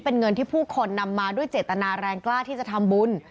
เป็นเงินที่ผู้คนนำมาด้วยเจตนาแรงกล้าที่จะทำบุญ